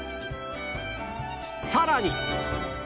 さらに